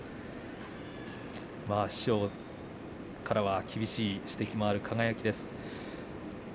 師匠からは厳しい指摘もある輝です。